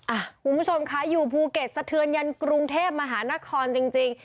คุณผู้ชมค่ะอยู่ภูเก็ตสะเทือนยันกรุงเทพมหานครจริง